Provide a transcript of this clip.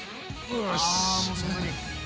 よし！